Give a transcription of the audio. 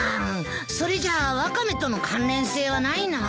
それじゃワカメとの関連性はないなあ。